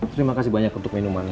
terima kasih banyak untuk minumannya